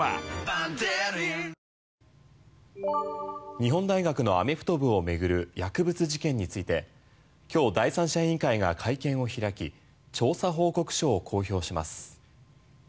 日本大学のアメフト部を巡る薬物事件について今日、第三者委員会が会見を開き調査報告書を公表します。